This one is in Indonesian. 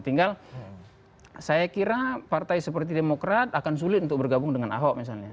tinggal saya kira partai seperti demokrat akan sulit untuk bergabung dengan ahok misalnya